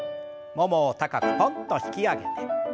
ももを高くポンと引き上げて。